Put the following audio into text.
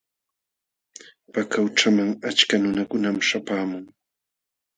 Paka qućhaman achka nunakunam śhapaamun.